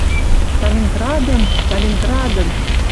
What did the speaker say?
Сталинградын, Сталинградын